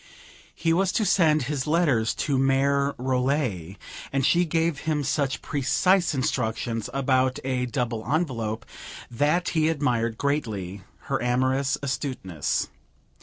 He was to send his letters to Mere Rollet, and she gave him such precise instructions about a double envelope that he admired greatly her amorous astuteness.